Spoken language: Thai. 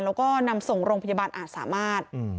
แล้วก็นำส่งโรงพยาบาลอาจสามารถ